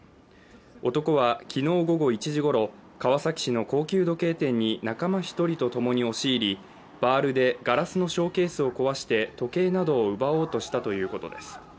男は、昨日午後１時ごろ、川崎市の高級時計店に仲間１人とともに押し入りバールでガラスのショーケースを壊して時計などを奪おうとしたということです。